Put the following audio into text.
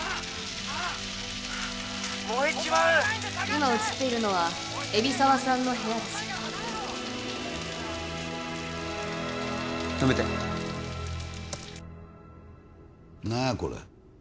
燃えちまう今映っているのは海老沢さんの部屋です止めて何やこれ？